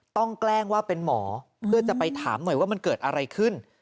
แกล้งว่าเป็นหมอเพื่อจะไปถามหน่อยว่ามันเกิดอะไรขึ้น